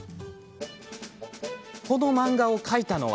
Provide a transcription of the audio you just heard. この漫画を描いたのは。